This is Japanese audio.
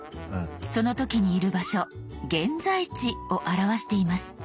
その時にいる場所「現在地」を表しています。